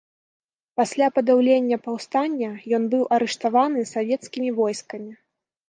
Пасля падаўлення паўстання ён быў арыштаваны савецкімі войскамі.